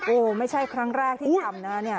โอ้ไม่ใช่ครั้งแรกที่ทำนะ